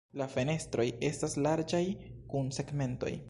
La fenestroj estas larĝaj kun segmentoj.